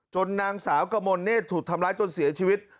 นางสาวกมลเนธถูกทำร้ายจนเสียชีวิต